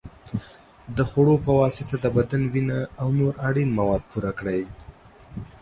د خوړو په واسطه د بدن وینه او نور اړین مواد پوره کړئ.